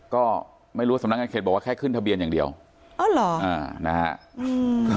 ก็ไม่รู้สำนักงานเขตบอกว่าแค่ขึ้นทะเบียนอย่างเดียวอ๋อเหรออ่านะฮะ